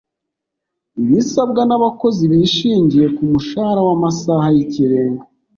ibisabwa n'abakozi bishingiye ku mushahara w'amasaha y'ikirenga